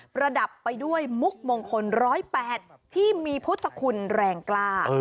ระดับไปด้วยมุกมงคล๑๐๘ที่มีพุทธคุณแรงกล้า